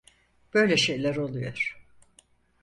Böyle şeyler oluyor.